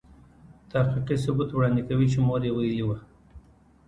تحقیقي ثبوت وړاندې کوي چې مور يې ویلې وه.